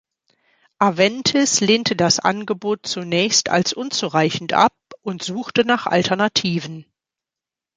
Aventis lehnte das Angebot zunächst als unzureichend ab und suchte nach Alternativen.